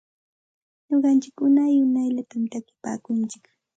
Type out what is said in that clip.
Nuqantsik unay unayllatam takinpaakuntsik.